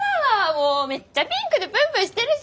もうめっちゃピンクでプンプンしてるし。